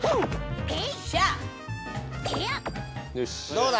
どうだ？